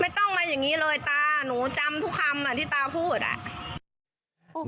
ไม่ต้องมาอย่างนี้เลยตาหนูจำทุกคำอ่ะที่ตาพูดอ่ะ